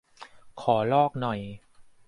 ขอลอกหน่อย